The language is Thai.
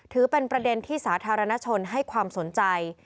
ถือเป็นประเด็นที่สาธารณชนให้ความสนใจ